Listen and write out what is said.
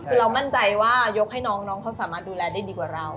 มีบัญจัยว่ายกให้น้องเขาสามารถดูแลได้ดีกว่าเรา